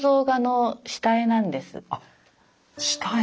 あっ下絵。